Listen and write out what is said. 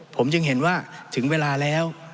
ผมจึงเห็นว่าถึงเวลาแล้ว